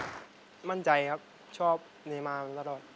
ก็มั่นใจครับชอบเนมาตลอด